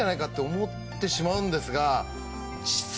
思ってしまうんですが。